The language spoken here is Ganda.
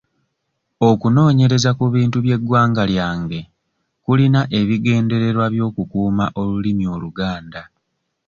Okunoonyereza ku bintu by'eggwanga lyange kulina ebigendererwa by'okukuuma olulimi Oluganda.